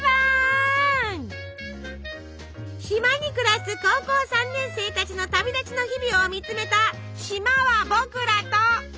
島に暮らす高校３年生たちの旅立ちの日々を見つめた「島はぼくらと」。